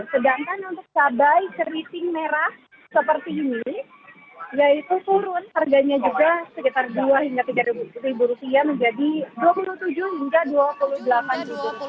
sedangkan untuk cabai keriting merah seperti ini yaitu turun harganya juga sekitar dua hingga tiga ribu rupiah